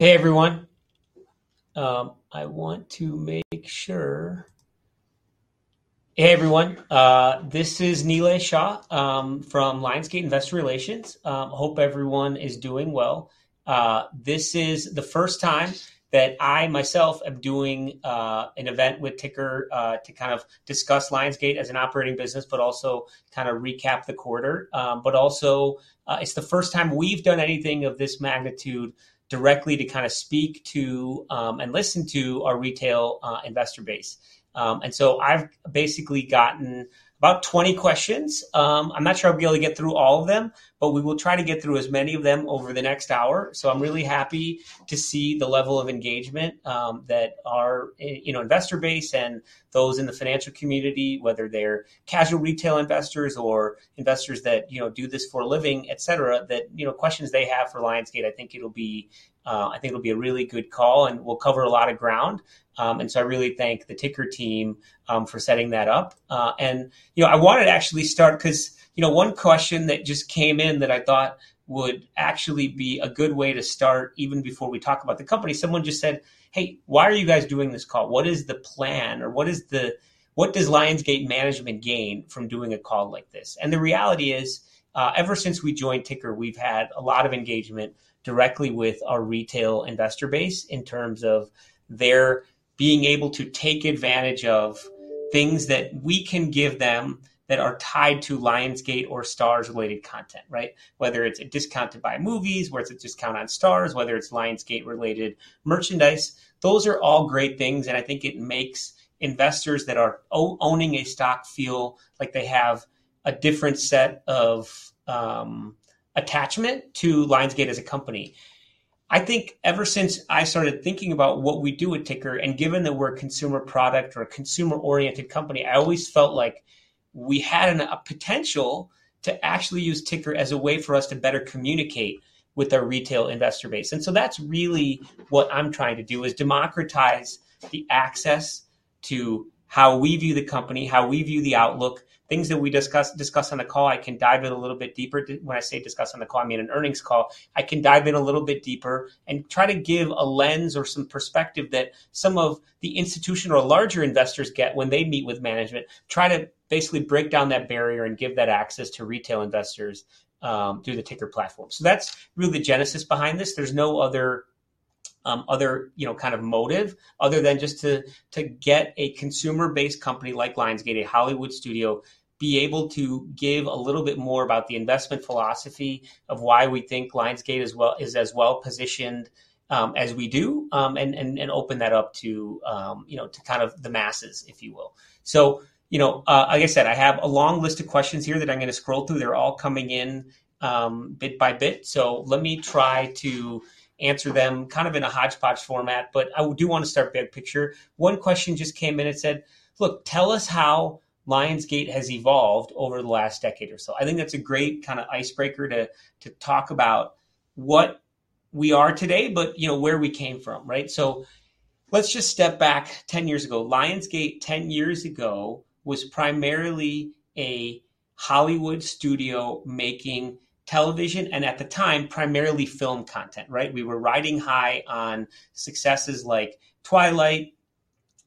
Hey, everyone. Hey, everyone, this is Nilay Shah from Lionsgate Investor Relations. Hope everyone is doing well. This is the first time that I, myself, am doing an event with TiiCKER to kind of discuss Lionsgate as an operating business, but also to kind of recap the quarter. But also, it's the first time we've done anything of this magnitude directly to kind of speak to and listen to our retail investor base. And so I've basically gotten about 20 questions. I'm not sure I'll be able to get through all of them, but we will try to get through as many of them over the next hour. So I'm really happy to see the level of engagement, that our, you know, investor base and those in the financial community, whether they're casual retail investors or investors that, you know, do this for a living, et cetera, that, you know, questions they have for Lionsgate, I think it'll be, I think it'll be a really good call, and we'll cover a lot of ground. So I really thank the TiiCKER team for setting that up. And, you know, I wanted to actually start... 'cause, you know, one question that just came in that I thought would actually be a good way to start, even before we talk about the company, someone just said: "Hey, why are you guys doing this call? What is the plan, or what does Lionsgate Management gain from doing a call like this?" And the reality is, ever since we joined TiiCKER, we've had a lot of engagement directly with our retail investor base in terms of their being able to take advantage of things that we can give them that are tied to Lionsgate or STARZ-related content, right? Whether it's a discount to buy movies, whether it's a discount on STARZ, whether it's Lionsgate-related merchandise, those are all great things, and I think it makes investors that are owning a stock feel like they have a different set of, attachment to Lionsgate as a company. I think ever since I started thinking about what we do with TiiCKER, and given that we're a consumer product or a consumer-oriented company, I always felt like we had a potential to actually use TiiCKER as a way for us to better communicate with our retail investor base. So that's really what I'm trying to do, is democratize the access to how we view the company, how we view the outlook. Things that we discuss on the call, I can dive in a little bit deeper. When I say discuss on the call, I mean an earnings call. I can dive in a little bit deeper and try to give a lens or some perspective that some of the institutional or larger investors get when they meet with management, try to basically break down that barrier and give that access to retail investors, through the TiiCKER platform. So that's really the genesis behind this. There's no other, you know, kind of motive, other than just to get a consumer-based company like Lionsgate, a Hollywood studio, be able to give a little bit more about the investment philosophy of why we think Lionsgate as well is as well-positioned, as we do, and open that up to, you know, to kind of the masses, if you will. So, you know, like I said, I have a long list of questions here that I'm gonna scroll through. They're all coming in, bit by bit, so let me try to answer them kind of in a hodgepodge format, but I do wanna start big picture. One question just came in and said: "Look, tell us how Lionsgate has evolved over the last decade or so." I think that's a great kind of icebreaker to talk about what we are today, but, you know, where we came from, right? So let's just step back 10 years ago. Lionsgate, 10 years ago, was primarily a Hollywood studio making television, and at the time, primarily film content, right? We were riding high on successes like Twilight,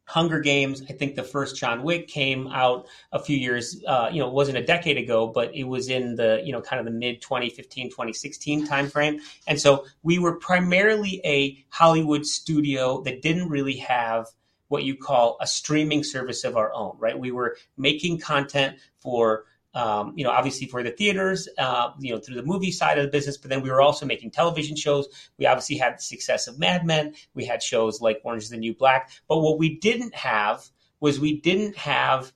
Hunger Games. I think the first John Wick came out a few years, you know, it wasn't a decade ago, but it was in the, you know, kind of the mid-2015, 2016 timeframe. And so we were primarily a Hollywood studio that didn't really have what you call a streaming service of our own, right? We were making content for, you know, obviously for the theaters, you know, through the movie side of the business, but then we were also making television shows. We obviously had the success of Mad Men. We had shows like Orange Is the New Black. But what we didn't have was we didn't have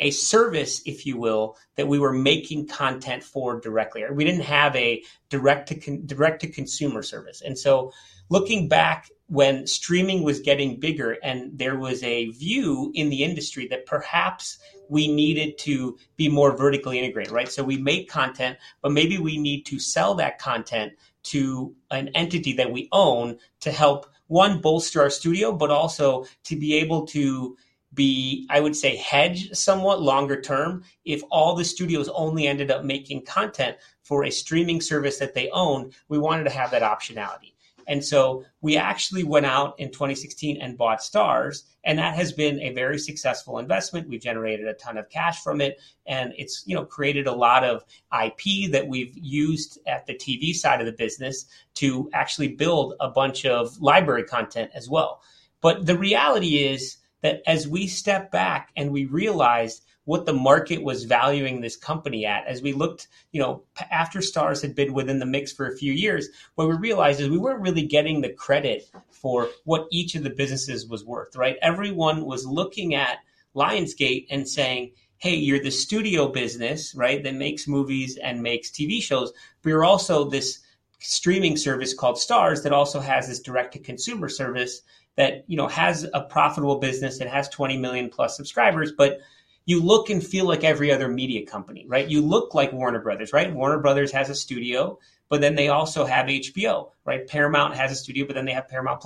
a service, if you will, that we were making content for directly, or we didn't have a direct-to-consumer service. And so looking back, when streaming was getting bigger and there was a view in the industry that perhaps we needed to be more vertically integrated, right? So we make content, but maybe we need to sell that content to an entity that we own to help, one, bolster our studio, but also to be able to be, I would say, hedge somewhat longer term. If all the studios only ended up making content for a streaming service that they own, we wanted to have that optionality. And so we actually went out in 2016 and bought STARZ, and that has been a very successful investment. We've generated a ton of cash from it, and it's, you know, created a lot of IP that we've used at the TV side of the business to actually build a bunch of library content as well. But the reality is, that as we step back and we realized what the market was valuing this company at, as we looked, you know, after STARZ had been within the mix for a few years, what we realized is we weren't really getting the credit for what each of the businesses was worth, right? Everyone was looking at Lionsgate and saying: "Hey, you're the studio business, right? That makes movies and makes TV shows." But we're also this streaming service called STARZ, that also has this direct-to-consumer service that, you know, has a profitable business and has 20 million+ subscribers. "But you look and feel like every other media company, right? You look like Warner Bros., right? Warner Bros. has a studio, but then they also have HBO, right? Paramount has a studio, but then they have Paramount+.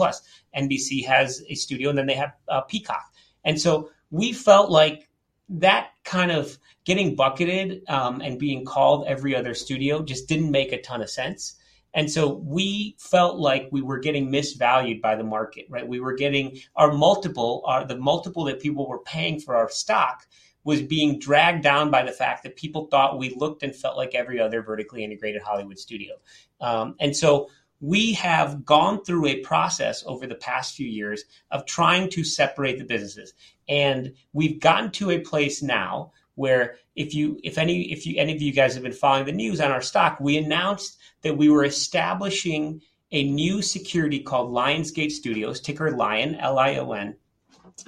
NBC has a studio, and then they have, Peacock." And so we felt like that kind of getting bucketed, and being called every other studio just didn't make a ton of sense. And so we felt like we were getting misvalued by the market, right? We were getting our multiple, the multiple that people were paying for our stock was being dragged down by the fact that people thought we looked and felt like every other vertically integrated Hollywood studio. And so we have gone through a process over the past few years of trying to separate the businesses. And we've gotten to a place now where if any of you guys have been following the news on our stock, we announced that we were establishing a new security called Lionsgate Studios, ticker Lion, L-I-O-N,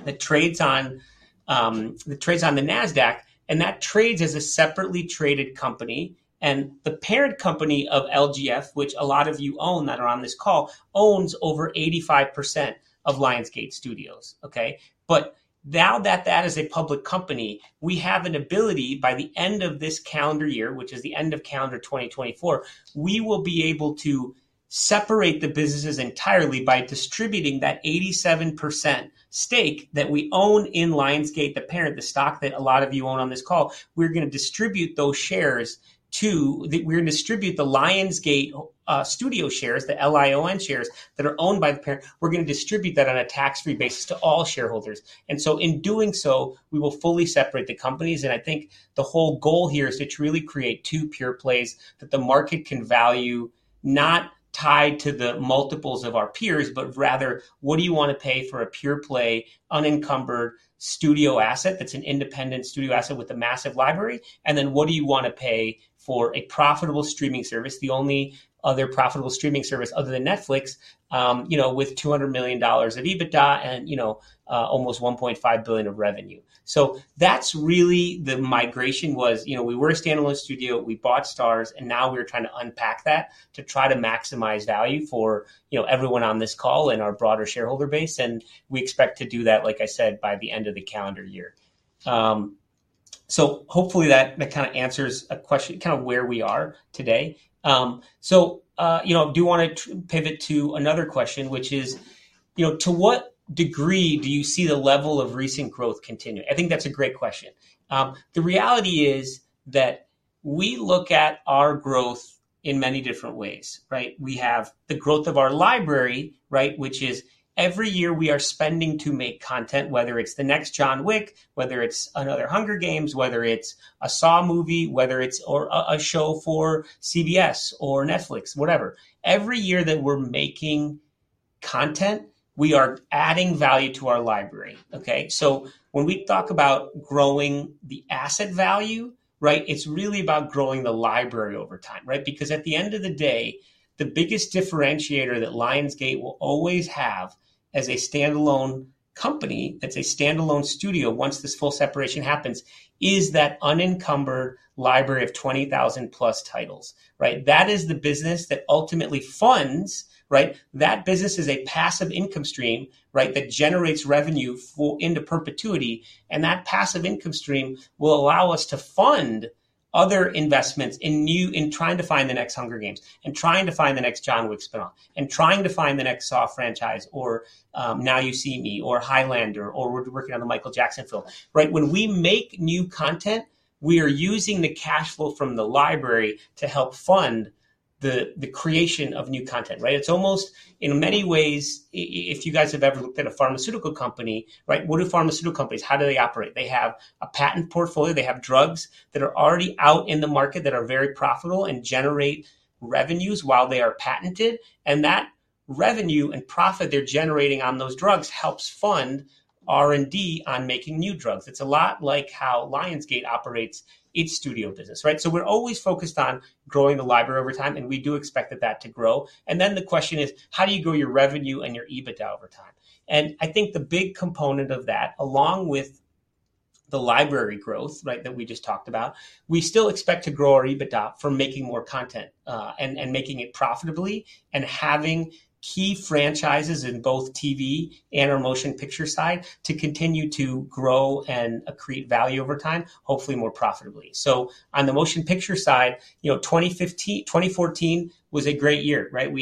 that trades on the Nasdaq, and that trades as a separately traded company. And the parent company of LGF, which a lot of you own that are on this call, owns over 85% of Lionsgate Studios, okay? But now that that is a public company, we have an ability by the end of this calendar year, which is the end of calendar 2024, we will be able to separate the businesses entirely by distributing that 87% stake that we own in Lionsgate, the parent, the stock that a lot of you own on this call. We're gonna distribute those shares to-- we're gonna distribute the Lionsgate Studio shares, the L-I-O-N shares, that are owned by the parent. We're gonna distribute that on a tax-free basis to all shareholders. And so in doing so, we will fully separate the companies, and I think the whole goal here is to truly create two pure plays that the market can value, not tied to the multiples of our peers, but rather, what do you want to pay for a pure play, unencumbered studio asset that's an independent studio asset with a massive library? And then, what do you want to pay for a profitable streaming service, the only other profitable streaming service other than Netflix, you know, with $200 million of EBITDA and, you know, almost $1.5 billion of revenue? So that's really the migration was... You know, we were a standalone studio, we bought STARZ, and now we're trying to unpack that to try to maximize value for, you know, everyone on this call and our broader shareholder base, and we expect to do that, like I said, by the end of the calendar year. So hopefully that, that kinda answers a question, kinda where we are today. You know, I do wanna pivot to another question, which is, you know, to what degree do you see the level of recent growth continuing? I think that's a great question. The reality is that we look at our growth in many different ways, right? We have the growth of our library, right, which is every year we are spending to make content, whether it's the next John Wick, whether it's another Hunger Games, whether it's a Saw movie, whether it's a show for CBS or Netflix, whatever. Every year that we're making content, we are adding value to our library, okay? So when we talk about growing the asset value, right, it's really about growing the library over time, right? Because at the end of the day, the biggest differentiator that Lionsgate will always have as a standalone company, that's a standalone studio, once this full separation happens, is that unencumbered library of 20,000+ titles, right? That is the business that ultimately funds, right? That business is a passive income stream, right, that generates revenue for into perpetuity, and that passive income stream will allow us to fund other investments in trying to find the next Hunger Games and trying to find the next John Wick spin-off, and trying to find the next Saw franchise or, Now You See Me, or Highlander, or we're working on the Michael Jackson film. Right, when we make new content, we are using the cash flow from the library to help fund the creation of new content, right? It's almost in many ways, if you guys have ever looked at a pharmaceutical company, right? What do pharmaceutical companies, how do they operate? They have a patent portfolio. They have drugs that are already out in the market, that are very profitable and generate revenues while they are patented, and that revenue and profit they're generating on those drugs helps fund R&D on making new drugs. It's a lot like how Lionsgate operates its studio business, right? So we're always focused on growing the library over time, and we do expect that to grow. And then the question is: "How do you grow your revenue and your EBITDA over time?" And I think the big component of that, along with the library growth, right, that we just talked about, we still expect to grow our EBITDA from making more content, and making it profitably, and having key franchises in both TV and our motion picture side to continue to grow and accrete value over time, hopefully more profitably. So on the motion picture side, you know, 2014 was a great year, right?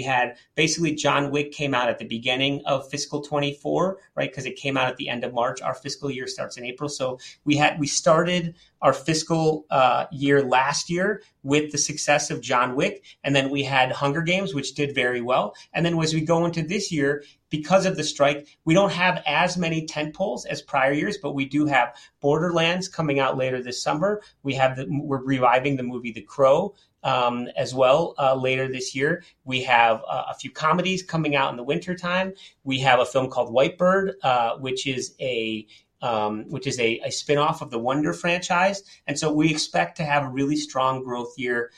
Basically, John Wick came out at the beginning of fiscal 2024, right? Because it came out at the end of March. Our fiscal year starts in April, so we started our fiscal year last year with the success of John Wick, and then we had Hunger Games, which did very well. And then as we go into this year, because of the strike, we don't have as many tentpoles as prior years, but we do have Borderlands coming out later this summer. We're reviving the movie The Crow as well later this year. We have a few comedies coming out in the wintertime. We have a film called White Bird, which is a spin-off of the Wonder franchise, and so we expect to have a really strong growth year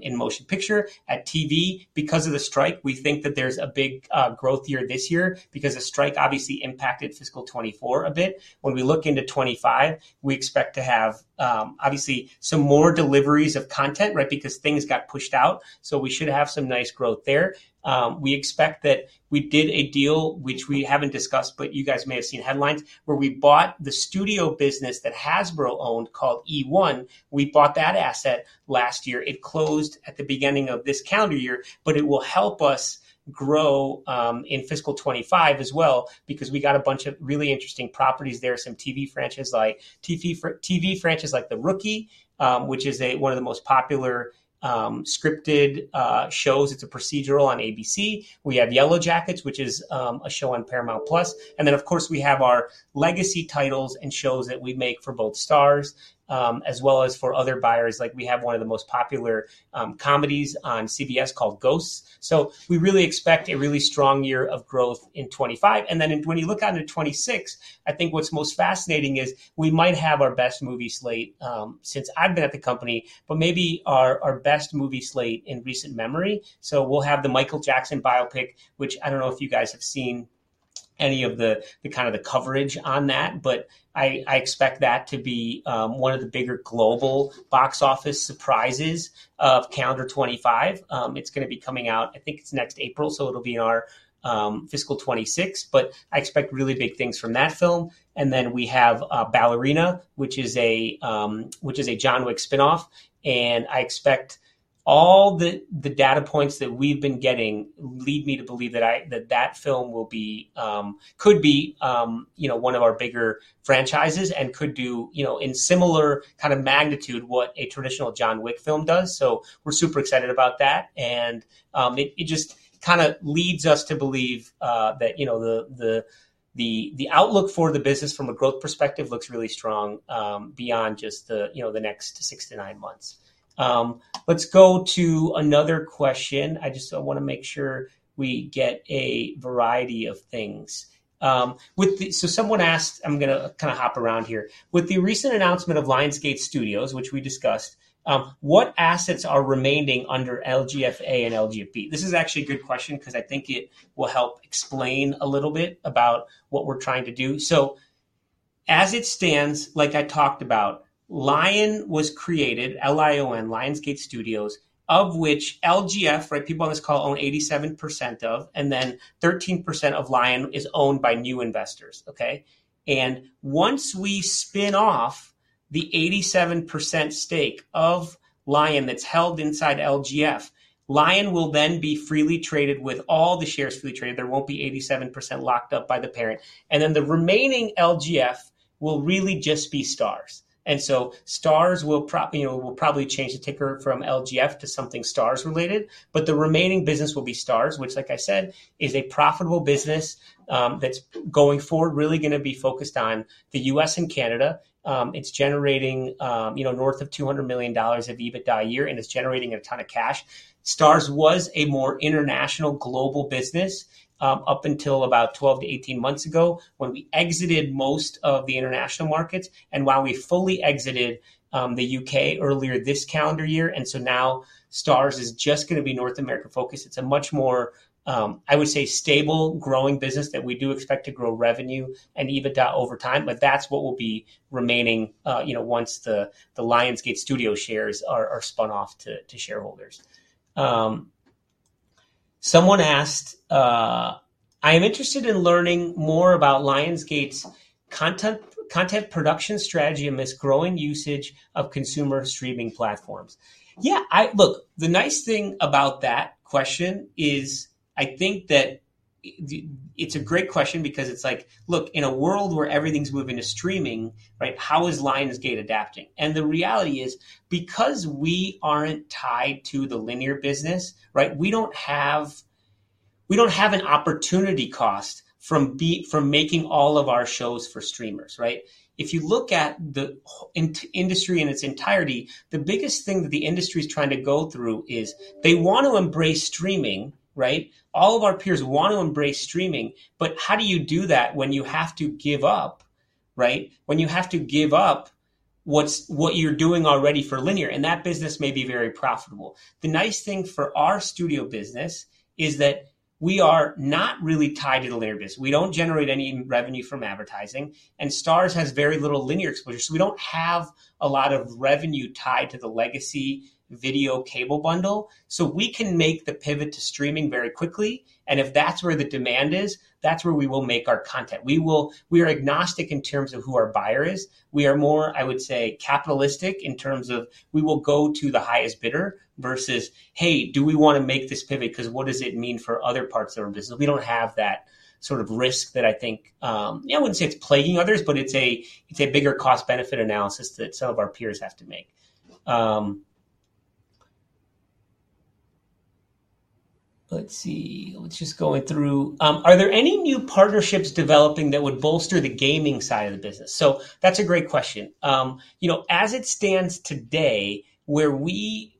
in motion picture. At TV, because of the strike, we think that there's a big growth year this year because the strike obviously impacted fiscal 2024 a bit. When we look into 2025, we expect to have obviously some more deliveries of content, right? Because things got pushed out, so we should have some nice growth there. We expect that we did a deal, which we haven't discussed, but you guys may have seen headlines, where we bought the studio business that Hasbro owned called eOne. We bought that asset last year. It closed at the beginning of this calendar year, but it will help us grow in fiscal 2025 as well, because we got a bunch of really interesting properties there, some TV franchises like TV franchises like The Rookie, which is one of the most popular scripted shows. It's a procedural on ABC. We have Yellowjackets, which is a show on Paramount+. And then, of course, we have our legacy titles and shows that we make for both STARZ as well as for other buyers. Like, we have one of the most popular comedies on CBS called Ghosts. So we really expect a really strong year of growth in 2025. And then when you look out to 2026, I think what's most fascinating is we might have our best movie slate since I've been at the company, but maybe our best movie slate in recent memory. So we'll have the Michael Jackson biopic, which I don't know if you guys have seen any of the kind of coverage on that, but I expect that to be one of the bigger global box office surprises of calendar 2025. It's gonna be coming out, I think it's next April, so it'll be in our fiscal 2026, but I expect really big things from that film. And then we have Ballerina, which is a John Wick spinoff, and I expect all the data points that we've been getting lead me to believe that that film will be could be you know one of our bigger franchises and could do you know in similar kind of magnitude what a traditional John Wick film does. So we're super excited about that, and it just kinda leads us to believe that you know the outlook for the business from a growth perspective looks really strong beyond just the you know the next six-nine months. Let's go to another question. I just wanna make sure we get a variety of things. With the... So someone asked, I'm gonna kinda hop around here: "With the recent announcement of Lionsgate Studios," which we discussed, "what assets are remaining under LGF.A and LGF.B?" This is actually a good question 'cause I think it will help explain a little bit about what we're trying to do. So as it stands, like I talked about, LION was created, L-I-O-N, Lionsgate Studios, of which LGF, right, people on this call own 87% of, and then 13% of LION is owned by new investors, okay? And once we spin off the 87% stake of LION that's held inside LGF, LION will then be freely traded with all the shares freely traded. There won't be 87% locked up by the parent. And then the remaining LGF will really just be STARZ. And so STARZ will, you know, we'll probably change the TiiCKER from LGF to something STARZ-related, but the remaining business will be STARZ, which, like I said, is a profitable business, that's going forward, really gonna be focused on the U.S. and Canada. It's generating, you know, north of $200 million of EBITDA a year, and it's generating a ton of cash. STARZ was a more international global business, up until about 12-18 months ago, when we exited most of the international markets and while we fully exited the U.K. earlier this calendar year. And so now, STARZ is just gonna be North American-focused. It's a much more, I would say, stable, growing business that we do expect to grow revenue and EBITDA over time, but that's what will be remaining, you know, once the Lionsgate Studios shares are spun off to shareholders. Someone asked: "I am interested in learning more about Lionsgate's content production strategy amidst growing usage of consumer streaming platforms." Yeah, I... Look, the nice thing about that question is, I think that it's a great question because it's like, look, in a world where everything's moving to streaming, right, how is Lionsgate adapting? And the reality is, because we aren't tied to the linear business, right, we don't have, we don't have an opportunity cost from making all of our shows for streamers, right? If you look at the industry in its entirety, the biggest thing that the industry is trying to go through is they want to embrace streaming, right? All of our peers want to embrace streaming, but how do you do that when you have to give up, right? When you have to give up what you're doing already for linear, and that business may be very profitable. The nice thing for our studio business is that we are not really tied to the linear business. We don't generate any revenue from advertising, and STARZ has very little linear exposure, so we don't have a lot of revenue tied to the legacy video cable bundle. So we can make the pivot to streaming very quickly, and if that's where the demand is, that's where we will make our content. We are agnostic in terms of who our buyer is. We are more, I would say, capitalistic in terms of, we will go to the highest bidder versus, "Hey, do we wanna make this pivot, 'cause what does it mean for other parts of our business?" We don't have that sort of risk that I think, yeah, I wouldn't say it's plaguing others, but it's a, it's a bigger cost-benefit analysis that some of our peers have to make. Let's see. Let's just going through. "Are there any new partnerships developing that would bolster the gaming side of the business?" So that's a great question. You know, as it stands today, where we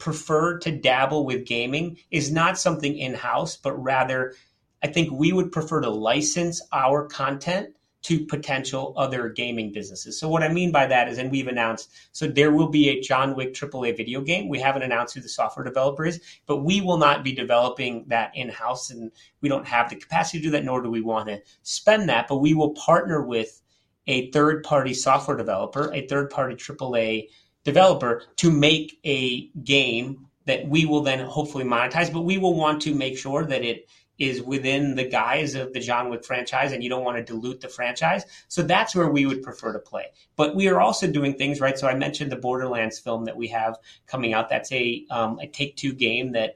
prefer to dabble with gaming is not something in-house, but rather, I think we would prefer to license our content to potential other gaming businesses. So what I mean by that is, and we've announced, so there will be a John Wick AAA video game. We haven't announced who the software developer is, but we will not be developing that in-house, and we don't have the capacity to do that, nor do we wanna spend that. But we will partner with a third-party software developer, a third-party AAA developer, to make a game that we will then hopefully monetize. But we will want to make sure that it is within the guise of the John Wick franchise, and you don't wanna dilute the franchise. So that's where we would prefer to play. But we are also doing things, right? So I mentioned the Borderlands film that we have coming out. That's a Take-Two game that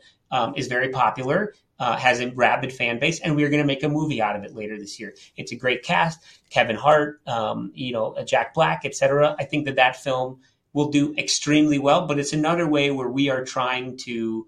is very popular, has a rabid fan base, and we are gonna make a movie out of it later this year. It's a great cast, Kevin Hart, you know, Jack Black, et cetera. I think that that film will do extremely well, but it's another way where we are trying to,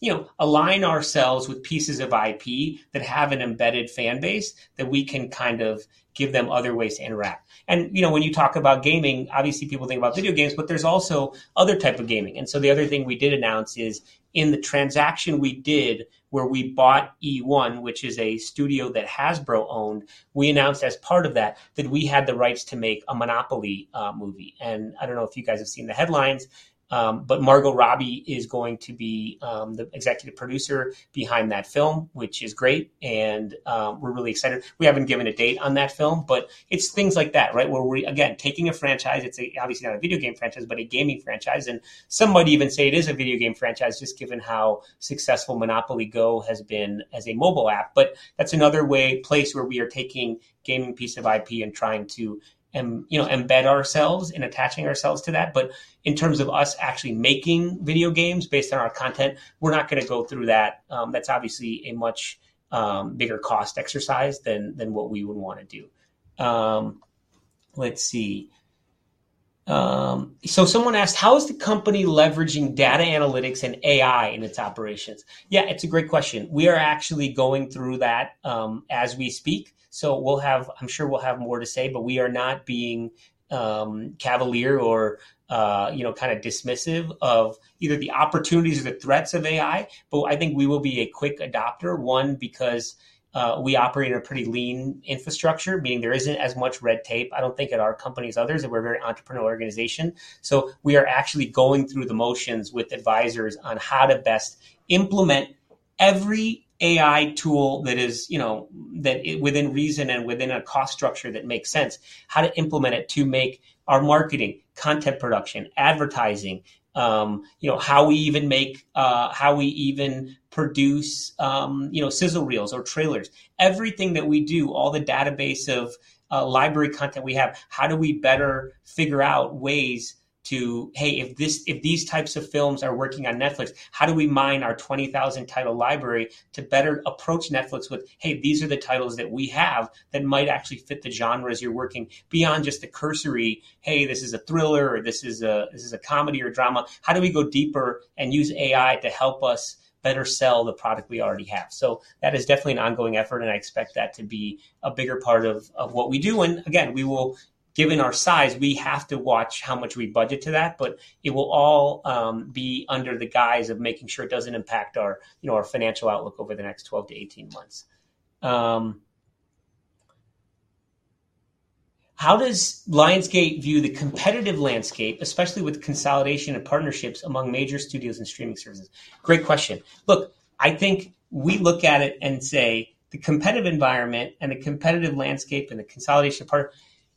you know, align ourselves with pieces of IP that have an embedded fan base, that we can kind of give them other ways to interact. And, you know, when you talk about gaming, obviously people think about video games, but there's also other type of gaming. So the other thing we did announce is, in the transaction we did where we bought eOne, which is a studio that Hasbro owned, we announced as part of that, that we had the rights to make a Monopoly movie. I don't know if you guys have seen the headlines, but Margot Robbie is going to be the executive producer behind that film, which is great, and we're really excited. We haven't given a date on that film, but it's things like that, right? Where we're, again, taking a franchise, it's obviously not a video game franchise, but a gaming franchise, and some might even say it is a video game franchise, just given how successful Monopoly Go! has been as a mobile app. But that's another way, place where we are taking gaming piece of IP and trying to you know, embed ourselves and attaching ourselves to that. But in terms of us actually making video games based on our content, we're not gonna go through that. That's obviously a much bigger cost exercise than what we would wanna do. Let's see. So someone asked: "How is the company leveraging data analytics and AI in its operations?" Yeah, it's a great question. We are actually going through that as we speak, so we'll have. I'm sure we'll have more to say, but we are not being cavalier or you know, kinda dismissive of either the opportunities or the threats of AI. But I think we will be a quick adopter, one, because we operate a pretty lean infrastructure, meaning there isn't as much red tape, I don't think, at our company as others, and we're a very entrepreneurial organization. So we are actually going through the motions with advisors on how to best implement every AI tool that is, you know, within reason and within a cost structure that makes sense, how to implement it to make our marketing, content production, advertising, you know, how we even make how we even produce sizzle reels or trailers. Everything that we do, all the database of library content we have, how do we better figure out ways to, "Hey, if this—if these types of films are working on Netflix, how do we mine our 20,000-title library to better approach Netflix" with, 'Hey, these are the titles that we have that might actually fit the genres you're working?'" Beyond just the cursory, "Hey, this is a thriller, or this is a, this is a comedy or drama." How do we go deeper and use AI to help us better sell the product we already have? So that is definitely an ongoing effort, and I expect that to be a bigger part of what we do. And again, we will... Given our size, we have to watch how much we budget to that, but it will all, be under the guise of making sure it doesn't impact our, you know, our financial outlook over the next 12-18 months. "How does Lionsgate view the competitive landscape, especially with consolidation and partnerships among major studios and streaming services?" Great question. Look, I think we look at it and say, the competitive environment and the competitive landscape and the consolidation part,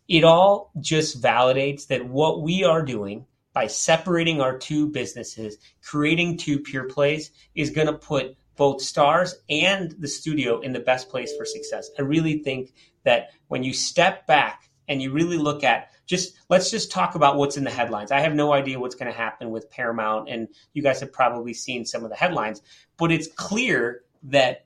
it all just validates that what we are doing by separating our two businesses, creating two pure plays, is gonna put both STARZ and the studio in the best place for success. I really think that when you step back and you really look at just, let's just talk about what's in the headlines. I have no idea what's gonna happen with Paramount, and you guys have probably seen some of the headlines, but it's clear that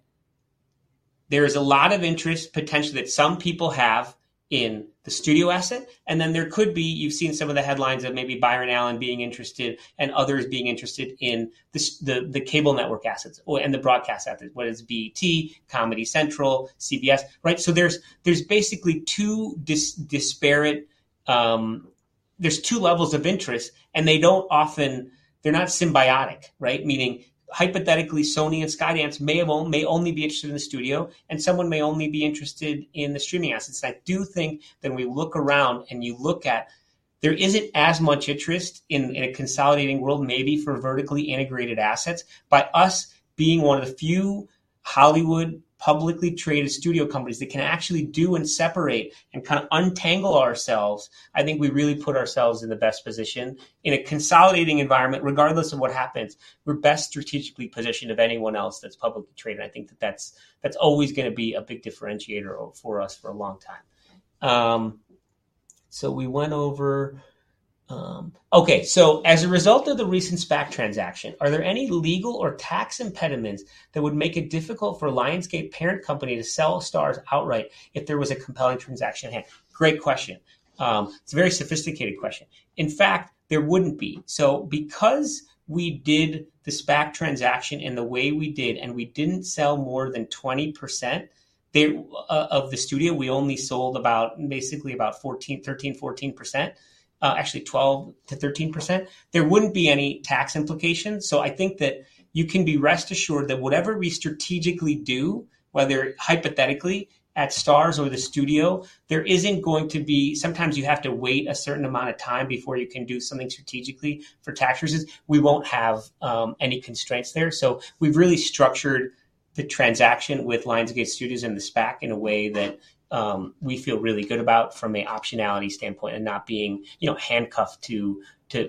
there is a lot of interest, potentially, that some people have in the studio asset, and then there could be... You've seen some of the headlines of maybe Byron Allen being interested and others being interested in the cable network assets or the broadcast assets, whether it's BET, Comedy Central, CBS, right? So there's basically two disparate, there's two levels of interest, and they don't often—they're not symbiotic, right? Meaning, hypothetically, Sony and Skydance may have only, may only be interested in the studio, and someone may only be interested in the streaming assets. I do think that we look around and you look at, there isn't as much interest in, in a consolidating world, maybe for vertically integrated assets. By us being one of the few Hollywood publicly traded studio companies that can actually do and separate and kind of untangle ourselves, I think we really put ourselves in the best position. In a consolidating environment, regardless of what happens, we're best strategically positioned of anyone else that's publicly traded. I think that that's, that's always gonna be a big differentiator for us for a long time. Okay, so "As a result of the recent SPAC transaction, are there any legal or tax impediments that would make it difficult for Lionsgate parent company to sell STARZ outright if there was a compelling transaction at hand?" Great question. It's a very sophisticated question. In fact, there wouldn't be. So because we did the SPAC transaction in the way we did, and we didn't sell more than 20% of the studio, we only sold about, basically about 14%, 13%, 14%, actually 12%-13%, there wouldn't be any tax implications. So I think that you can be rest assured that whatever we strategically do, whether hypothetically at STARZ or the studio, there isn't going to be... Sometimes you have to wait a certain amount of time before you can do something strategically for tax reasons. We won't have any constraints there. So we've really structured the transaction with Lionsgate Studios and the SPAC in a way that we feel really good about from a optionality standpoint and not being, you know, handcuffed to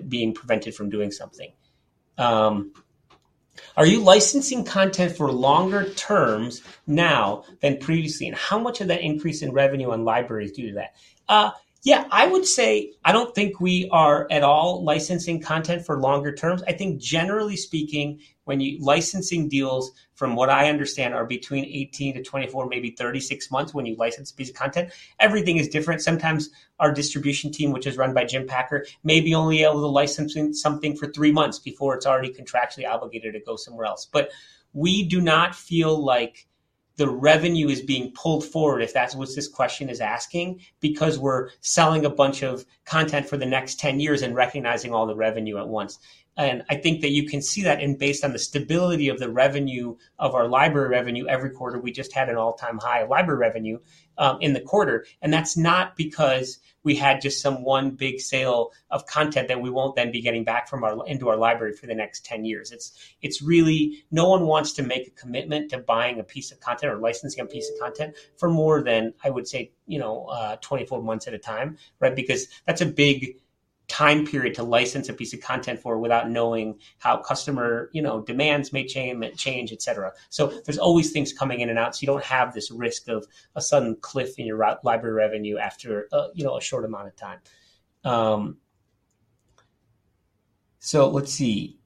being prevented from doing something. "Are you licensing content for longer terms now than previously, and how much of that increase in revenue and library is due to that?" Yeah, I would say I don't think we are at all licensing content for longer terms. I think generally speaking, licensing deals, from what I understand, are between 18-24, maybe 36 months when you license a piece of content. Everything is different. Sometimes our distribution team, which is run by Jim Packer, may be only able to license something for 3 months before it's already contractually obligated to go somewhere else. But we do not feel like the revenue is being pulled forward, if that's what this question is asking, because we're selling a bunch of content for the next 10 years and recognizing all the revenue at once. I think that you can see that based on the stability of the revenue of our library revenue every quarter. We just had an all-time high of library revenue in the quarter, and that's not because we had just some one big sale of content that we won't then be getting back from our into our library for the next 10 years. It's really no one wants to make a commitment to buying a piece of content or licensing a piece of content for more than, I would say, you know, 24 months at a time, right? Because that's a big time period to license a piece of content for without knowing how customer, you know, demands may change, et cetera. So there's always things coming in and out, so you don't have this risk of a sudden cliff in your library revenue after a, you know, a short amount of time. So let's see.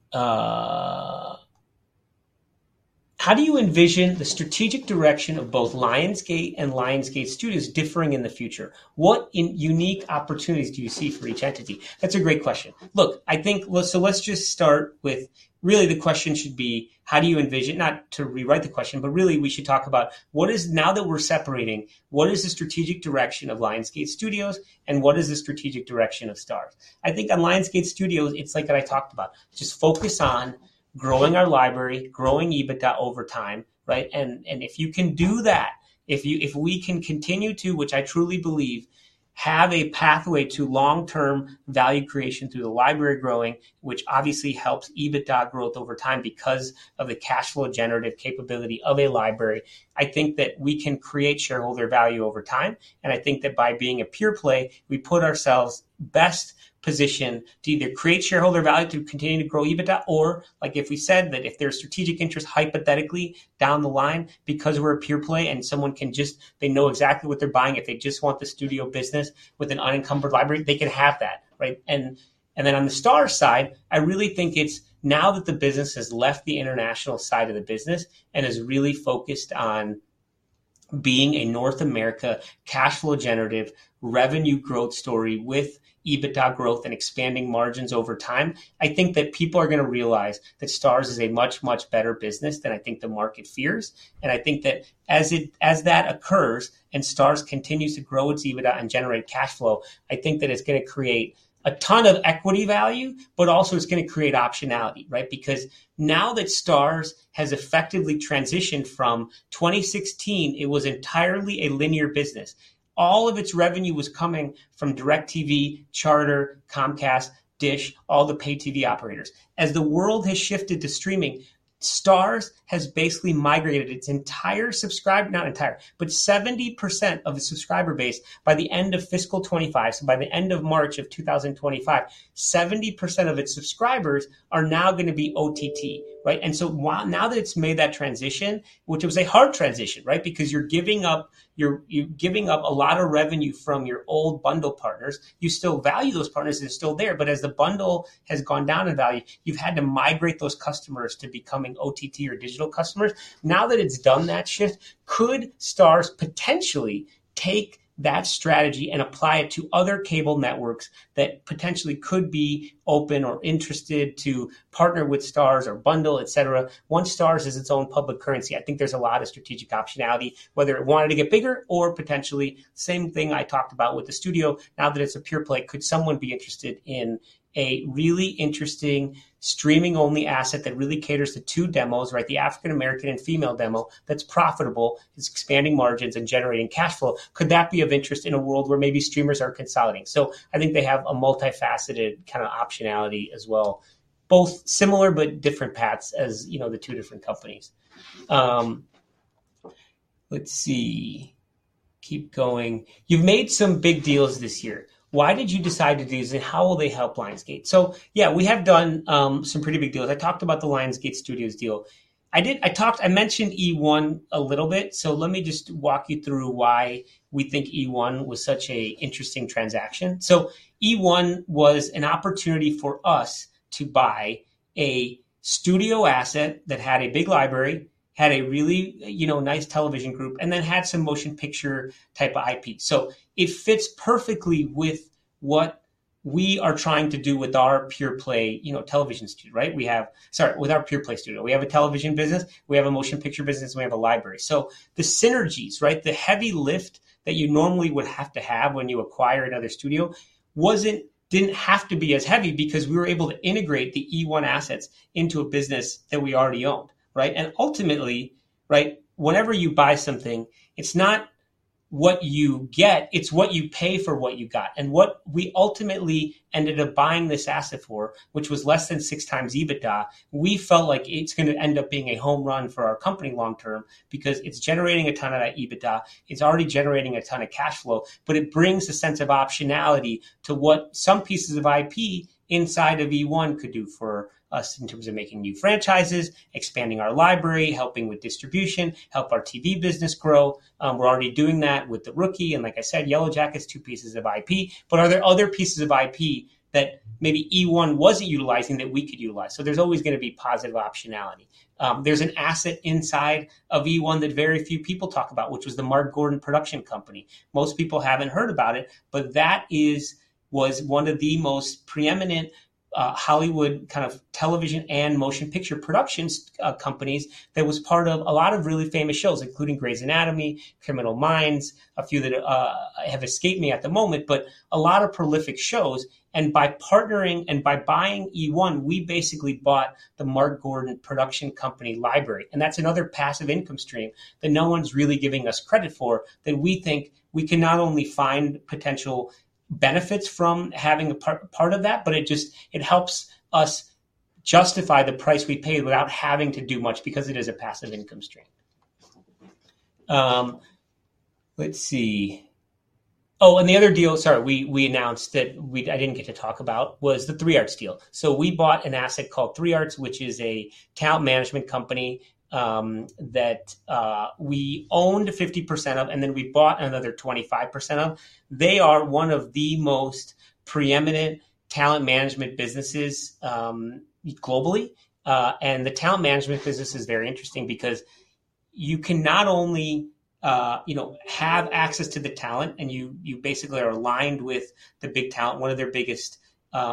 "How do you envision the strategic direction of both Lionsgate and Lionsgate Studios differing in the future? What unique opportunities do you see for each entity?" That's a great question. Look, I think so let's just start with... Really, the question should be: "How do you envision," not to rewrite the question, but really, we should talk about what is, "Now that we're separating, what is the strategic direction of Lionsgate Studios, and what is the strategic direction of STARZ?" I think on Lionsgate Studios, it's like what I talked about: Just focus on growing our library, growing EBITDA over time, right? And if you can do that, if we can continue to, which I truly believe, have a pathway to long-term value creation through the library growing, which obviously helps EBITDA growth over time because of the cash flow generative capability of a library, I think that we can create shareholder value over time. And I think that by being a pure play, we put ourselves best positioned to either create shareholder value through continuing to grow EBITDA or like if we said that if there's strategic interest, hypothetically, down the line, because we're a pure play and someone can just, they know exactly what they're buying, if they just want the studio business with an unencumbered library, they can have that, right? And then on the STARZ side, I really think it's now that the business has left the international side of the business and is really focused on being a North America cash-flow generative, revenue-growth story with EBITDA growth and expanding margins over time, I think that people are gonna realize that STARZ is a much, much better business than I think the market fears. And I think that as that occurs and STARZ continues to grow its EBITDA and generate cash flow, I think that it's gonna create a ton of equity value, but also it's gonna create optionality, right? Because now that STARZ has effectively transitioned from 2016, it was entirely a linear business. All of its revenue was coming from DIRECTV, Charter, Comcast, DISH, all the paid TV operators. As the world has shifted to streaming, STARZ has basically migrated its entire—not entire, but 70% of the subscriber base by the end of fiscal 2025. So by the end of March 2025, 70% of its subscribers are now gonna be OTT, right? And so now that it's made that transition, which was a hard transition, right? Because you're giving up your, you're giving up a lot of revenue from your old bundle partners. You still value those partners, and they're still there, but as the bundle has gone down in value, you've had to migrate those customers to becoming OTT or digital customers. Now that it's done that shift, could STARZ potentially take that strategy and apply it to other cable networks that potentially could be open or interested to partner with STARZ or bundle, et cetera? Once STARZ is its own public currency, I think there's a lot of strategic optionality, whether it wanted to get bigger or potentially, same thing I talked about with the studio, now that it's a pure play, could someone be interested in a really interesting streaming-only asset that really caters to two demos, right, the African American and female demo, that's profitable, it's expanding margins and generating cash flow? Could that be of interest in a world where maybe streamers are consolidating? So I think they have a multifaceted kinda optionality as well, both similar but different paths as, you know, the two different companies. Let's see. Keep going. "You've made some big deals this year. Why did you decide to do these, and how will they help Lionsgate?" So yeah, we have done some pretty big deals. I talked about the Lionsgate Studios deal. I did—I talked, I mentioned eOne a little bit, so let me just walk you through why we think eOne was such an interesting transaction. So eOne was an opportunity for us to buy a studio asset that had a big library, had a really, you know, nice television group, and then had some motion picture type of IP. So it fits perfectly with what we are trying to do with our pure play, you know, television studio, right? We have... Sorry, with our pure play studio. We have a television business, we have a motion picture business, and we have a library. So the synergies, right, the heavy lift that you normally would have to have when you acquire another studio, wasn't—didn't have to be as heavy because we were able to integrate the eOne assets into a business that we already owned, right? Ultimately, right, whenever you buy something, it's not what you get, it's what you pay for what you got. What we ultimately ended up buying this asset for, which was less than 6x EBITDA, we felt like it's gonna end up being a home run for our company long term because it's generating a ton of that EBITDA. It's already generating a ton of cash flow, but it brings a sense of optionality to what some pieces of IP inside of eOne could do for us in terms of making new franchises, expanding our library, helping with distribution, help our TV business grow. We're already doing that with The Rookie, and like I said, Yellowjackets, two pieces of IP. But are there other pieces of IP that maybe eOne wasn't utilizing that we could utilize? So there's always gonna be positive optionality. There's an asset inside of eOne that very few people talk about, which was the Mark Gordon production company. Most people haven't heard about it, but that is, was one of the most preeminent Hollywood kind of television and motion picture productions companies that was part of a lot of really famous shows, including Grey's Anatomy, Criminal Minds, a few that have escaped me at the moment, but a lot of prolific shows. And by partnering and by buying eOne, we basically bought the Mark Gordon production company library, and that's another passive income stream that no one's really giving us credit for, that we think we can not only find potential benefits from having a part, part of that, but it just, it helps us justify the price we paid without having to do much because it is a passive income stream. Let's see. Oh, and the other deal, sorry, we announced that we—I didn't get to talk about—was the 3 Arts deal. So we bought an asset called 3 Arts, which is a talent management company, that we owned 50% of, and then we bought another 25% of. They are one of the most preeminent talent management businesses, globally. And the talent management business is very interesting because you can not only, you know, have access to the talent and you basically are aligned with the big talent. One of their biggest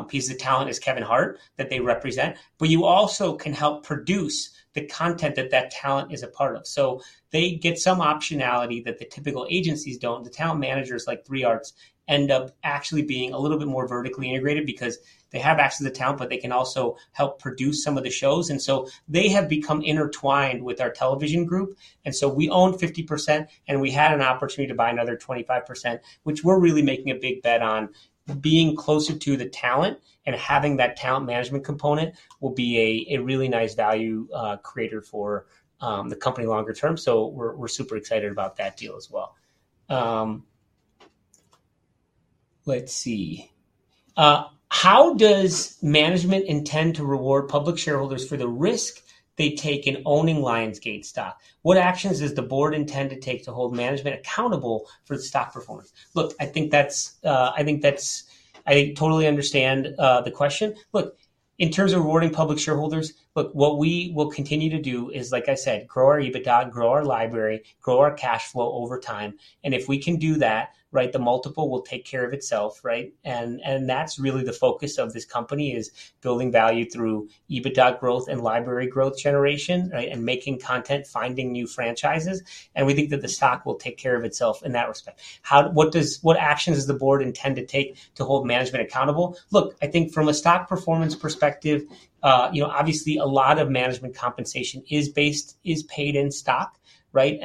pieces of talent is Kevin Hart, that they represent. But you also can help produce the content that that talent is a part of. So they get some optionality that the typical agencies don't. The talent managers, like 3 Arts, end up actually being a little bit more vertically integrated because they have access to talent, but they can also help produce some of the shows. So they have become intertwined with our television group. So we own 50%, and we had an opportunity to buy another 25%, which we're really making a big bet on. Being closer to the talent and having that talent management component will be a really nice value creator for the company longer term. So we're super excited about that deal as well. Let's see. "How does management intend to reward public shareholders for the risk they take in owning Lionsgate stock? What actions does the board intend to take to hold management accountable for the stock performance?" Look, I think that's. I totally understand the question. Look, in terms of rewarding public shareholders, look, what we will continue to do is, like I said, grow our EBITDA, grow our library, grow our cash flow over time. And if we can do that, right, the multiple will take care of itself, right? And that's really the focus of this company, is building value through EBITDA growth and library growth generation, right? And making content, finding new franchises, and we think that the stock will take care of itself in that respect. What actions does the board intend to take to hold management accountable? Look, I think from a stock performance perspective, you know, obviously a lot of management compensation is based, is paid in stock, right?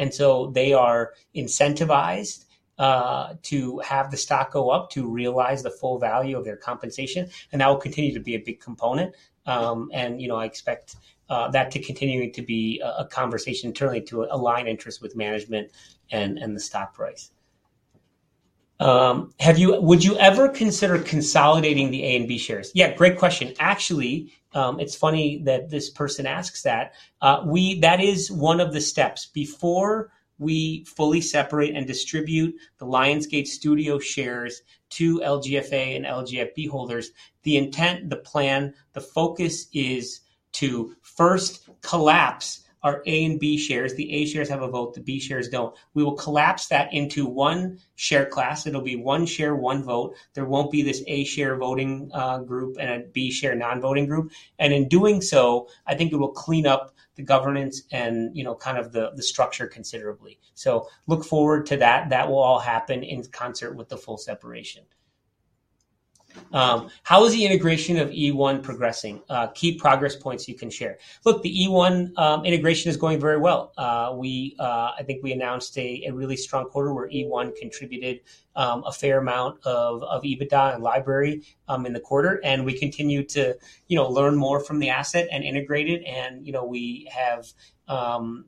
They are incentivized to have the stock go up to realize the full value of their compensation, and that will continue to be a big component. You know, I expect that to continue to be a conversation internally to align interests with management and the stock price. "Have you—would you ever consider consolidating the A and B shares?" Yeah, great question. Actually, it's funny that this person asks that. That is one of the steps. Before we fully separate and distribute the Lionsgate Studios shares to LGF.A and LGF.B holders, the intent, the plan, the focus is to first collapse our A and B shares. The A shares have a vote, the B shares don't. We will collapse that into one share class. It'll be one share, one vote. There won't be this A share voting group and a B share non-voting group. And in doing so, I think it will clean up the governance and, you know, kind of the, the structure considerably. So look forward to that. That will all happen in concert with the full separation. "How is the integration of eOne progressing? Key progress points you can share." Look, the eOne integration is going very well. We, I think we announced a really strong quarter where eOne contributed a fair amount of EBITDA and library in the quarter. And we continue to, you know, learn more from the asset and integrate it. And, you know, we have,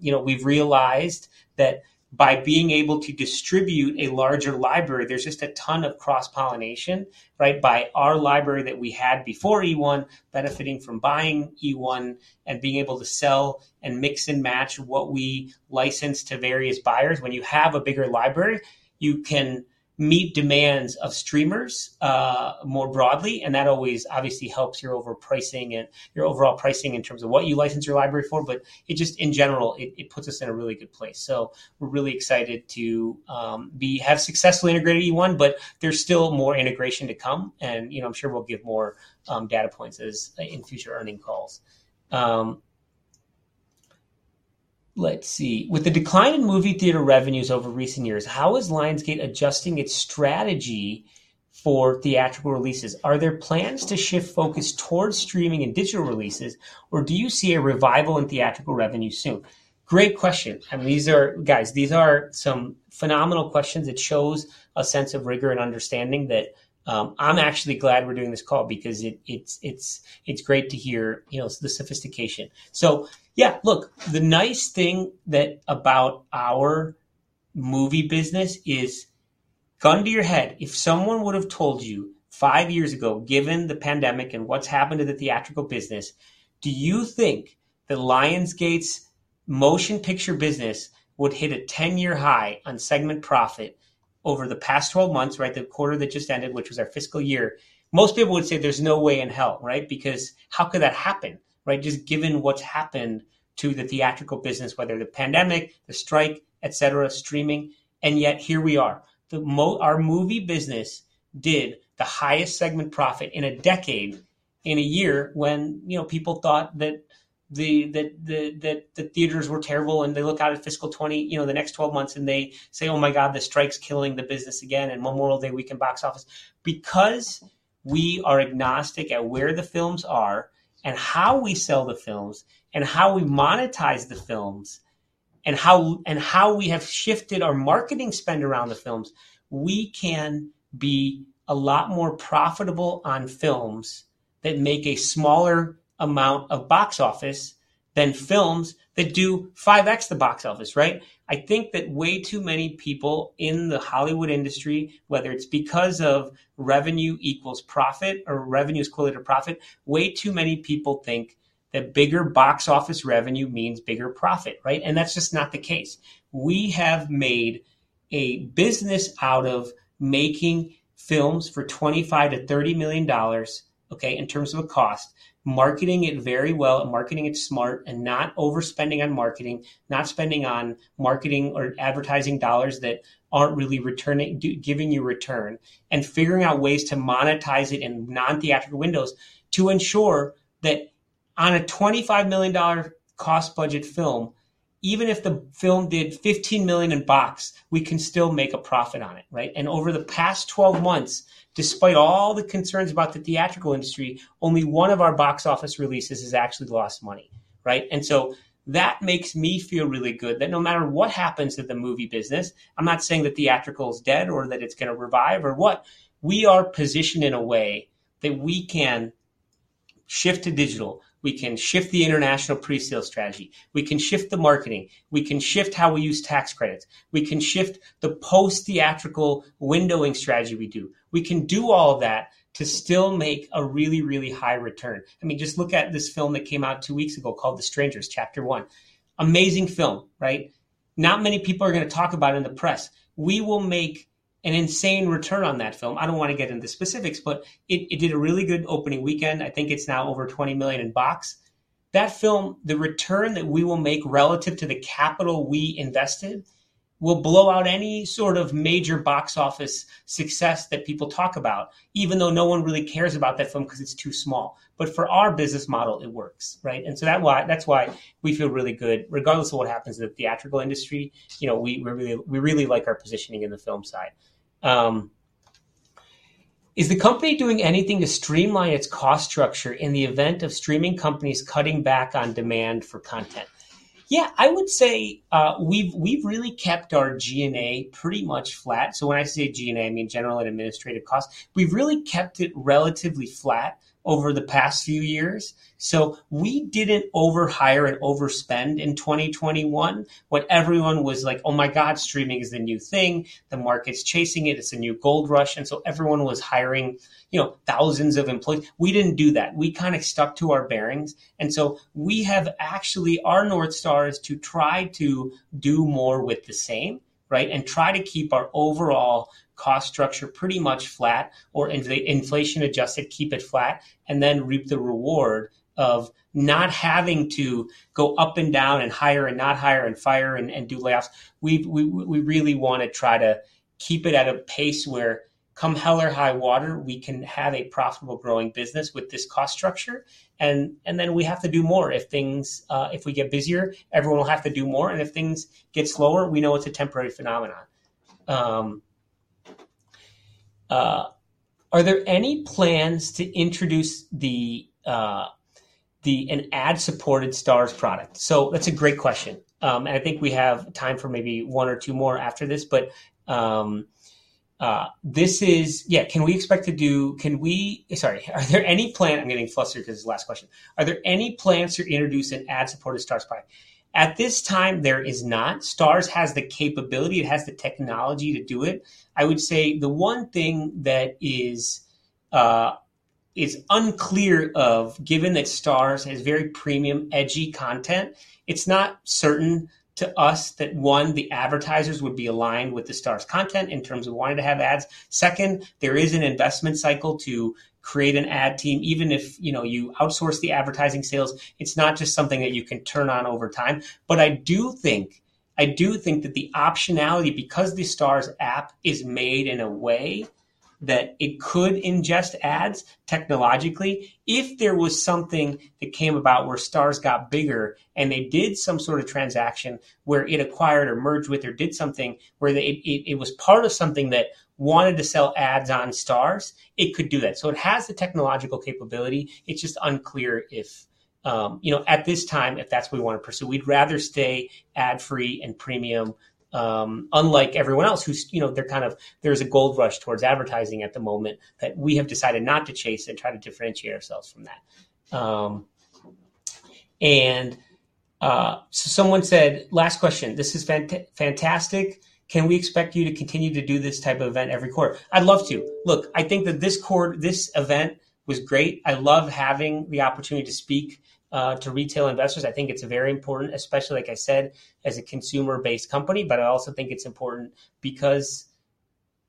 you know, we've realized that by being able to distribute a larger library, there's just a ton of cross-pollination, right? By our library that we had before eOne, benefiting from buying eOne, and being able to sell and mix and match what we license to various buyers. When you have a bigger library, you can meet demands of streamers more broadly, and that always obviously helps your overpricing and your overall pricing in terms of what you license your library for. But it just in general, it puts us in a really good place. So we're really excited to have successfully integrated eOne, but there's still more integration to come and, you know, I'm sure we'll give more data points as in future earnings calls. Let's see. "With the decline in movie theater revenues over recent years, how is Lionsgate adjusting its strategy for theatrical releases? Are there plans to shift focus towards streaming and digital releases, or do you see a revival in theatrical revenue soon?" Great question. I mean, these are... Guys, these are some phenomenal questions. It shows a sense of rigor and understanding that, I'm actually glad we're doing this call because it, it's great to hear, you know, the sophistication. So yeah, look, the nice thing that, about our movie business is, gun to your head, if someone would have told you five years ago, given the pandemic and what's happened to the theatrical business, do you think that Lionsgate's motion picture business would hit a ten-year high on segment profit over the past twelve months, right? The quarter that just ended, which was our fiscal year. Most people would say there's no way in hell, right? Because how could that happen, right? Just given what's happened to the theatrical business, whether the pandemic, the strike, et cetera, streaming, and yet here we are. Our movie business did the highest segment profit in a decade, in a year when, you know, people thought that the theaters were terrible, and they look out at fiscal 20, you know, the next twelve months, and they say, "Oh, my God, the strike's killing the business again," and Memorial Day weekend box office. Because we are agnostic at where the films are, and how we sell the films, and how we monetize the films, and how we have shifted our marketing spend around the films, we can be a lot more profitable on films that make a smaller amount of box office than films that do 5x the box office, right? I think that way too many people in the Hollywood industry, whether it's because of revenue equals profit or revenue is correlated to profit, way too many people think that bigger box office revenue means bigger profit, right? That's just not the case. We have made a business out of making films for $25 million-$30 million, okay, in terms of a cost, marketing it very well and marketing it smart, and not overspending on marketing, not spending on marketing or advertising dollars that aren't really returning, giving you return, and figuring out ways to monetize it in non-theatrical windows to ensure that on a $25-million cost budget film, even if the film did $15 million in box, we can still make a profit on it, right? Over the past 12 months, despite all the concerns about the theatrical industry, only one of our box office releases has actually lost money, right? So that makes me feel really good, that no matter what happens to the movie business, I'm not saying that theatrical is dead or that it's gonna revive or what, we are positioned in a way that we can shift to digital, we can shift the international presale strategy, we can shift the marketing, we can shift how we use tax credits, we can shift the post-theatrical windowing strategy we do. We can do all of that to still make a really, really high return. I mean, just look at this film that came out two weeks ago called The Strangers: Chapter One. Amazing film, right? Not many people are gonna talk about it in the press. We will make an insane return on that film. I don't wanna get into specifics, but it, it did a really good opening weekend. I think it's now over $20 million in box office. That film, the return that we will make relative to the capital we invested, will blow out any sort of major box office success that people talk about, even though no one really cares about that film because it's too small. But for our business model, it works, right? And so that's why we feel really good, regardless of what happens to the theatrical industry, you know, we, we really, we really like our positioning in the film side. "Is the company doing anything to streamline its cost structure in the event of streaming companies cutting back on demand for content?" Yeah, I would say, we've really kept our G&A pretty much flat. So when I say G&A, I mean general and administrative costs. We've really kept it relatively flat over the past few years, so we didn't overhire and overspend in 2021, when everyone was like, "Oh my God, streaming is the new thing, the market's chasing it, it's a new gold rush." And so everyone was hiring, you know, thousands of employees. We didn't do that. We kinda stuck to our bearings, and so we have actually... Our North Star is to try to do more with the same, right? Try to keep our overall cost structure pretty much flat, or inflation-adjusted, keep it flat, and then reap the reward of not having to go up and down, and hire and not hire, and fire and do layoffs. We've really wanna try to keep it at a pace where, come hell or high water, we can have a profitable growing business with this cost structure, and then we have to do more. If things, if we get busier, everyone will have to do more, and if things get slower, we know it's a temporary phenomenon. "Are there any plans to introduce an ad-supported STARZ product?" So that's a great question. And I think we have time for maybe one or two more after this, but, this is... Yeah, can we expect to can we... Sorry. Are there any plans—I'm getting flustered because it's the last question. "Are there any plans to introduce an ad-supported STARZ product?" At this time, there is not. STARZ has the capability, it has the technology to do it. I would say the one thing that is is unclear of, given that STARZ has very premium, edgy content, it's not certain to us that, one, the advertisers would be aligned with the STARZ content in terms of wanting to have ads. Second, there is an investment cycle to create an ad team, even if, you know, you outsource the advertising sales, it's not just something that you can turn on over time. But I do think that the optionality, because the STARZ app is made in a way that it could ingest ads technologically, if there was something that came about where STARZ got bigger and they did some sort of transaction where it acquired or merged with or did something where it was part of something that wanted to sell ads on STARZ, it could do that. So it has the technological capability. It's just unclear if, you know, at this time, if that's what we wanna pursue. We'd rather stay ad-free and premium, unlike everyone else who's, you know, they're kind of—there's a gold rush towards advertising at the moment, that we have decided not to chase and try to differentiate ourselves from that. And so someone said... Last question: "This is fantastic. Can we expect you to continue to do this type of event every quarter?" I'd love to. Look, I think that this event was great. I love having the opportunity to speak to retail investors. I think it's very important, especially, like I said, as a consumer-based company, but I also think it's important because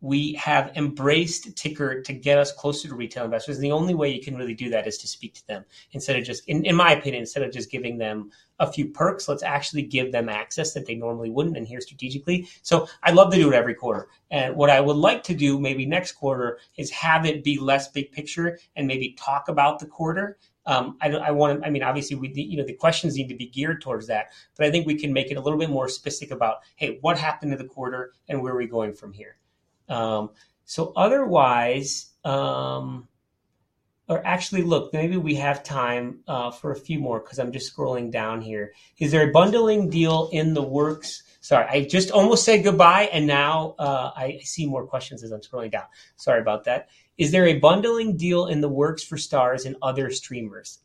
we have embraced TiiCKER to get us closer to retail investors. The only way you can really do that is to speak to them. Instead of just, in my opinion, instead of just giving them a few perks, let's actually give them access that they normally wouldn't, and hear strategically. So I'd love to do it every quarter. And what I would like to do, maybe next quarter, is have it be less big picture and maybe talk about the quarter. I want to-- I mean, obviously, we, you know, the questions need to be geared towards that, but I think we can make it a little bit more specific about: "Hey, what happened to the quarter, and where are we going from here?" Or actually, look, maybe we have time for a few more because I'm just scrolling down here. "Is there a bundling deal in the works?" Sorry, I just almost said goodbye, and now I see more questions as I'm scrolling down. Sorry about that. "Is there a bundling deal in the works for STARZ and other streamers?"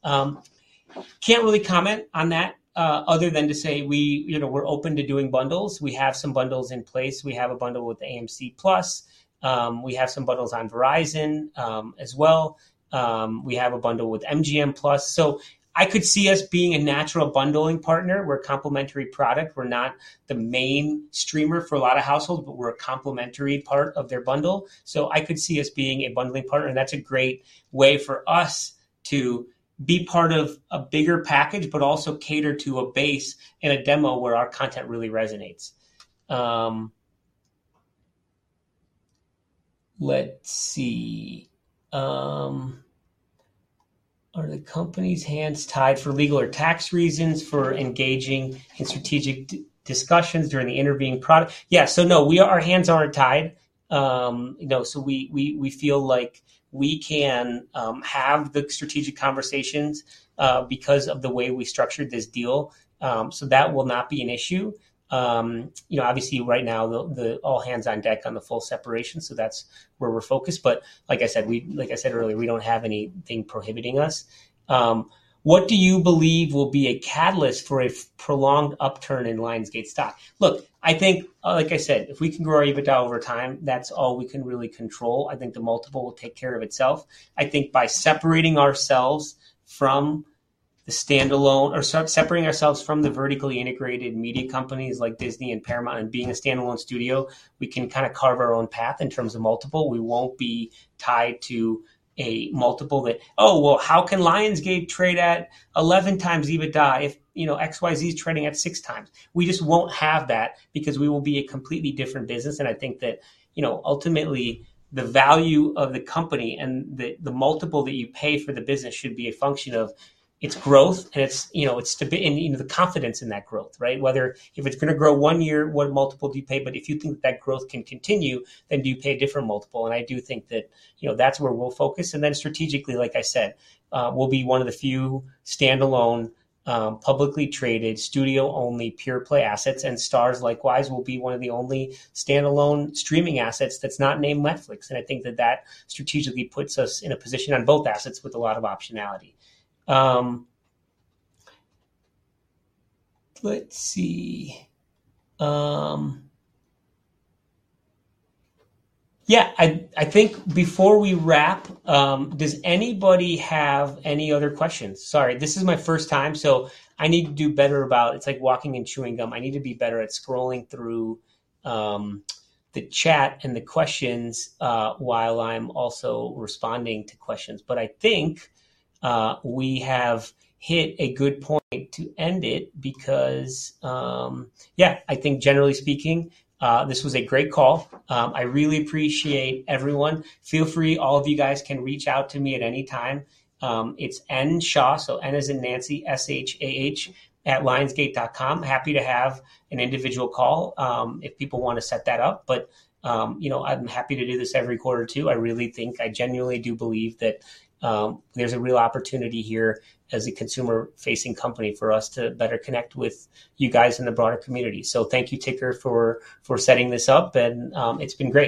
Can't really comment on that, other than to say we, you know, we're open to doing bundles. We have some bundles in place. We have a bundle with AMC+. We have some bundles on Verizon, as well. We have a bundle with MGM+. So I could see us being a natural bundling partner. We're a complementary product. We're not the main streamer for a lot of households, but we're a complementary part of their bundle, so I could see us being a bundling partner, and that's a great way for us to be part of a bigger package, but also cater to a base and a demo where our content really resonates. Let's see. "Are the company's hands tied for legal or tax reasons for engaging in strategic discussions during the interim period?" Yeah. So no, we, our hands aren't tied. You know, so we feel like we can have the strategic conversations, because of the way we structured this deal. So that will not be an issue. You know, obviously right now, the all hands on deck on the full separation, so that's where we're focused. But like I said, like I said earlier, we don't have anything prohibiting us. "What do you believe will be a catalyst for a prolonged upturn in Lionsgate stock?" Look, I think, like I said, if we can grow our EBITDA over time, that's all we can really control. I think the multiple will take care of itself. I think by separating ourselves from the vertically integrated media companies like Disney and Paramount, and being a standalone studio, we can kinda carve our own path in terms of multiple. We won't be tied to a multiple that, "Oh, well, how can Lionsgate trade at 11x EBITDA if, you know, XYZ is trading at 6x?" We just won't have that because we will be a completely different business. I think that, you know, ultimately, the value of the company and the multiple that you pay for the business should be a function of its growth and its, you know, its stability and, you know, the confidence in that growth, right? Whether if it's gonna grow one year, what multiple do you pay? But if you think that growth can continue, then do you pay a different multiple? And I do think that, you know, that's where we'll focus. And then strategically, like I said, we'll be one of the few standalone, publicly traded studio-only, pure-play assets, and STARZ, likewise, will be one of the only standalone streaming assets that's not named Netflix. And I think that that strategically puts us in a position on both assets with a lot of optionality. Let's see. Yeah, I think before we wrap, does anybody have any other questions? Sorry, this is my first time, so I need to do better about. It's like walking and chewing gum. I need to be better at scrolling through the chat and the questions while I'm also responding to questions. But I think we have hit a good point to end it because yeah, I think generally speaking, this was a great call. I really appreciate everyone. Feel free, all of you guys can reach out to me at any time. It's N. Shah, so N as in Nancy, S-H-A-H, @lionsgate.com. Happy to have an individual call, if people wanna set that up. You know, I'm happy to do this every quarter, too. I really think, I genuinely do believe that, there's a real opportunity here as a consumer-facing company, for us to better connect with you guys in the broader community. Thank you, TiiCKER, for setting this up, and, it's been great.